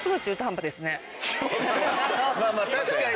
まあまあ確かに。